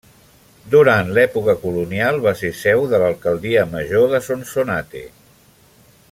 Durant l'època colonial va ser seu de l'alcaldia major de Sonsonate.